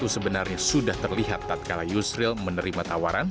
sebenarnya sudah terlihat tatkala yusril menerima tawaran